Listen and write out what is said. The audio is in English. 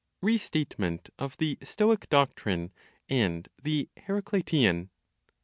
RESTATEMENT OF THE STOIC DOCTRINE, AND THE HERACLITIAN. 7.